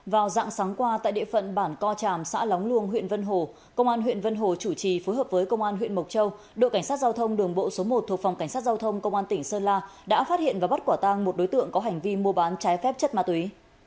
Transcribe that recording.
vào dạng sáng qua tại địa phận bản co tràm xã lóng luông huyện vân hồ công an huyện vân hồ chủ trì phối hợp với công an huyện mộc châu đội cảnh sát giao thông đường bộ số một thuộc phòng cảnh sát giao thông công an tỉnh sơn la đã phát hiện và bắt quả tang một đối tượng có hành vi mua bán trái phép chất ma túy